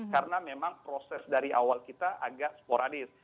karena memang proses dari awal kita agak sporadis